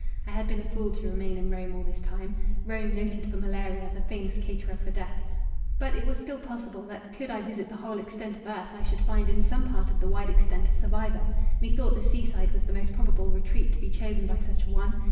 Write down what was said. I had been a fool to remain in Rome all this time: Rome noted for Malaria, the famous caterer for death. But it was still possible, that, could I visit the whole extent of earth, I should find in some part of the wide extent a survivor. Methought the sea side was the most probable retreat to be chosen by such a one.